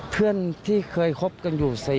เพื่อนที่เคยคบกันอยู่